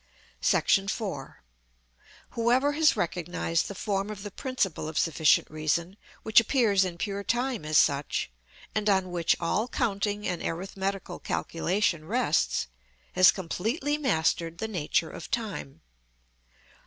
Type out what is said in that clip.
§ 4. Whoever has recognised the form of the principle of sufficient reason, which appears in pure time as such, and on which all counting and arithmetical calculation rests, has completely mastered the nature of time.